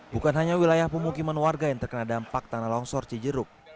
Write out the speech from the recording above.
bukan hanya wilayah pemukiman warga yang terkena dampak tanah longsor cijeruk